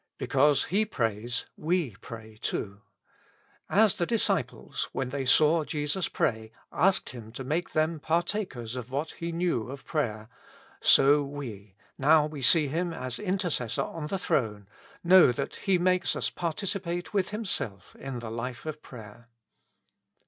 Because He prays, we pray too. As the disciples, when they saw Jesus pray, asked Him to make them partakers of what He knew of prayer, so we, now we see Him as intercessor on the throne, know that He makes us participate with Himself in the life of prayer.